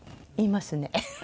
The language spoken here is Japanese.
言いますね。